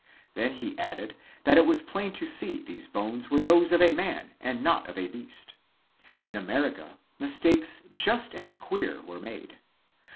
Then he added that it was plain to see these bones were those of a man and not of a beast. In America, mistakes just as queer were made.